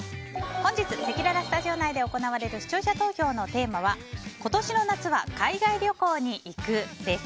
本日せきららスタジオ内で行われる視聴者投票のテーマは今年の夏は海外旅行に行くです。